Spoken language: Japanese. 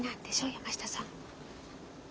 山下さん。